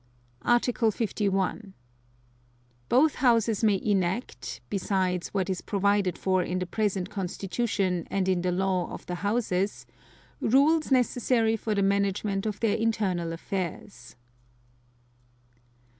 Article 51. Both Houses may enact, besides what is provided for in the present Constitution and in the Law of the Houses, rules necessary for the management of their internal affairs.